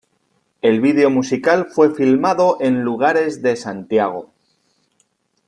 El video musical fue filmado en lugares de Santiago.